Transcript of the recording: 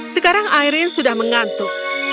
sekarang aireen sudah mengantuk